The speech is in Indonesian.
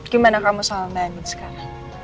gimana kamu soal mami sekarang